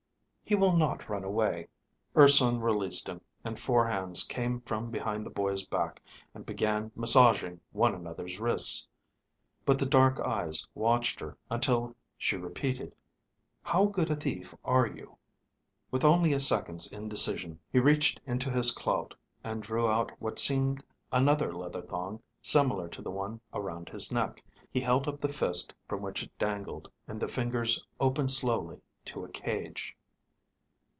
"He will not run away." Urson released him, and four hands came from behind the boy's back and began massaging one another's wrists. But the dark eyes watched her until she repeated, "How good a thief are you?" With only a second's indecision, he reached into his clout and drew out what seemed another leather thong similar to the one around his neck. He held up the fist from which it dangled, and the fingers opened slowly to a cage.